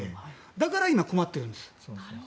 だから今、困ってるんです。